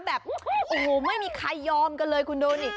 แบบโอ้โหไม่มีใครยอมกันเลยคุณดูดิ